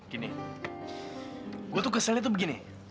gini gue tuh keselnya tuh begini